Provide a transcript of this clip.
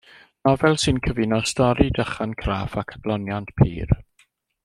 Nofel sy'n cyfuno stori, dychan craff ac adloniant pur.